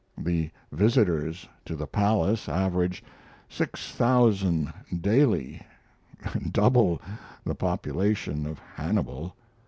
The visitors to the Palace average 6,000 daily double the population of Hannibal.